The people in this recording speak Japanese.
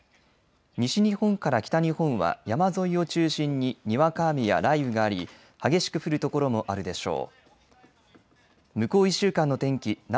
西日本から北日本は山沿いを中心ににわか雨や雷雨があり激しく降る所もあるでしょう。